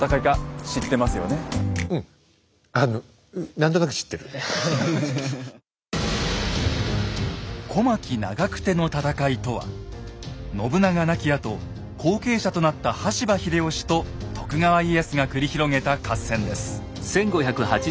あのうん「小牧・長久手の戦い」とは信長亡きあと後継者となった羽柴秀吉と徳川家康が繰り広げた合戦です。